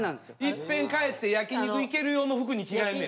いっぺん帰って焼き肉行ける用の服に着替えんのや。